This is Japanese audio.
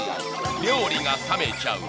［料理が冷めちゃう］